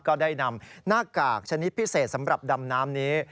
ก็ได้นำหน้ากากชนิดพิเศษสำหรับดำน้ำนี้